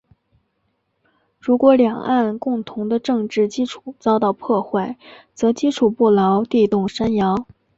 如果两岸共同的政治基础遭到破坏，则基础不牢，地动山摇。